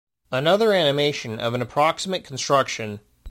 Another animation of an approximate construction.